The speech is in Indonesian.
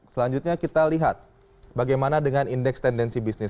selanjutnya kita lihat bagaimana dengan indeks tendensi bisnis